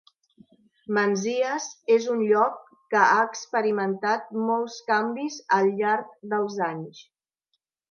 Menzies és un lloc que ha experimentat molts canvis al llarg dels anys.